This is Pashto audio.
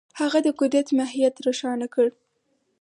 هغه د قدرت ماهیت روښانه کړ.